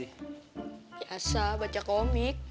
biasa baca komik